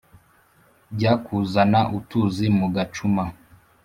jya kuzana utuzi mu gacuma